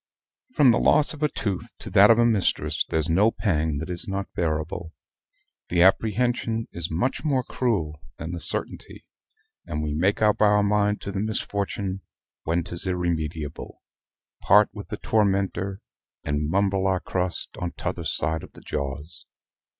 From the loss of a tooth to that of a mistress there's no pang that is not bearable. The apprehension is much more cruel than the certainty; and we make up our mind to the misfortune when 'tis irremediable, part with the tormentor, and mumble our crust on t'other side of the jaws.